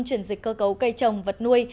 chuyển dịch cơ cấu cây trồng vật nuôi